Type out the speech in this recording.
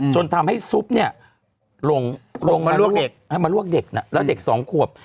จนทำให้ซุปลงมาลวกเด็กแล้วเด็ก๒ขวบ